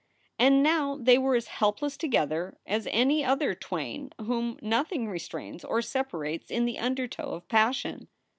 And now they were as helpless together as any other twain whom nothing restrains or separates in the undertow of pas sion.